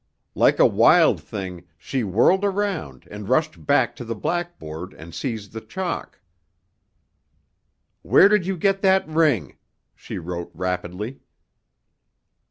Like a wild thing, she whirled around and rushed back to the blackboard and seized the chalk. "Where did you get that ring?" she wrote rapidly.